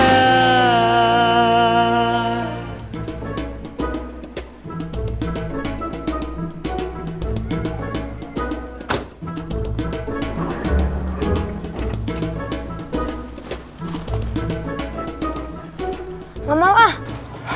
nggak mau ah